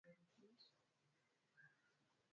Barua imepotea